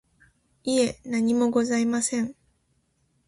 いえ、何もございません。